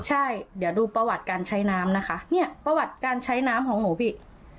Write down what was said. ใช่เดี๋ยวดูประวัติการใช้น้ำนะคะเนี่ยประวัติการใช้น้ำของหนูพี่